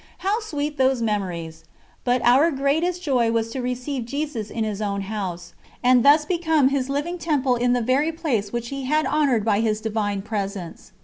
How sweet those memories! But our greatest joy was to receive Jesus in His own House, and thus become His living temple in the very place which He had honoured by His Divine Presence.